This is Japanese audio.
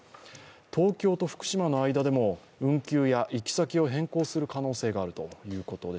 東京と福島の間でも、運休や行き先を変更する可能性があるということです。